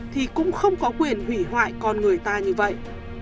thì cũng không có quyền hủy hoại con người ta như vậy